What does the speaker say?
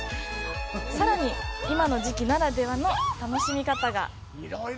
さらに今の時期ならではの楽しみ方が。